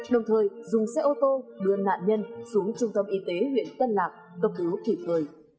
đồng thời dùng xe ô tô đưa nạn nhân xuống trung tâm y tế huyện tân lạc cấp cứu kịp thời